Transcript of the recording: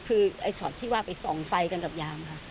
คือไอ้ช็อตที่ว่าไปส่องไฟกันกับยางค่ะ